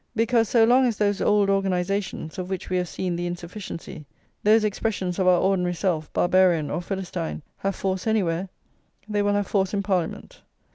Because, so long as those old organisations, of which we have seen the insufficiency, those expressions of our ordinary self, Barbarian or Philistine, have force anywhere, they will have force in Parliament.